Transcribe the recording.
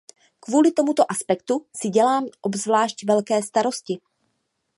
Kvůli tomuto aspektu si dělám obzvlášť velké starosti.